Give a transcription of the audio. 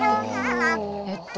えっと